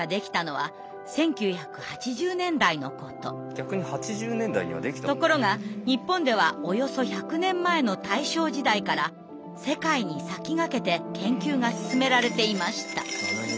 非常に身近な病ですがところが日本ではおよそ１００年前の大正時代から世界に先駆けて研究が進められていました。